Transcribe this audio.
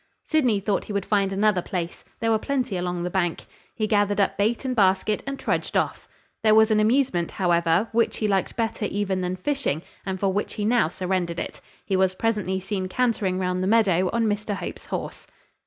Sydney thought he would find another place: there were plenty along the bank. He gathered up bait and basket, and trudged off. There was an amusement, however, which he liked better even than fishing; and for which he now surrendered it. He was presently seen cantering round the meadow on Mr Hope's horse.